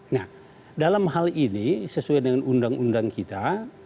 nah dalam hal ini sesuai dengan undang undang kita